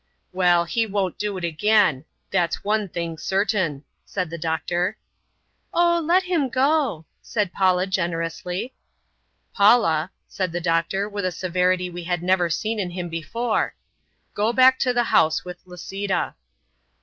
"Well, he won't do it again; that's one thing certain," said the doctor. "Oh, let him go!" said Paula generously. "Paula," said the doctor with a severity we had never seen in him before, "Go back to the house with Lisita!"